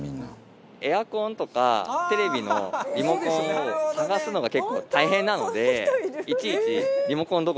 エアコンとかテレビのリモコンを探すのが結構大変なのでいちいちリモコンどこ？